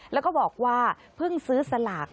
แล้วก็บอกว่าเพิ่งซื้อสลาก